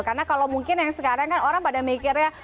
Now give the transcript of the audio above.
karena kalau mungkin yang sekarang kan orang pada mikirnya